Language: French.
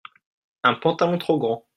un pantalon trop grand.